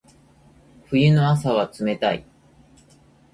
冬の朝は冷たい。